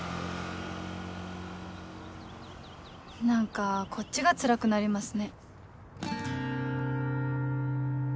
何かこっちがつらくなりますね。